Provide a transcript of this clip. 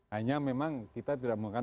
hanya memang kita tidak menggunakan